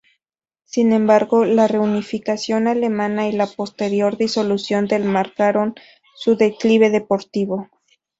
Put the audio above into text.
Sin embargo, la reunificación alemana y la posterior disolución del marcaron su declive deportivo.